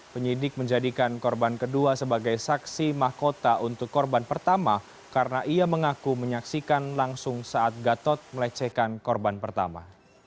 penyidik menjadikan korban kedua sebagai saksi mahkota untuk korban pertama karena ia mengaku menyaksikan langsung saat gatot melecehkan korban pertama